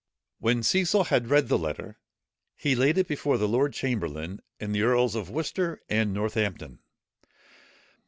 When Cecil had read the letter, he laid it before the lord chamberlain and the earls of Worcester and Northampton.